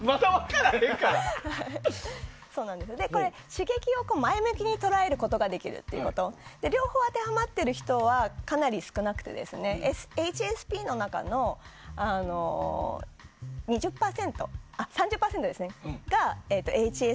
刺激を前向きに捉えることができるという人で両方とも当てはまっている人はかなり少なくてＨＳＰの中の３０％がＨＳＳ型ＨＳＰと。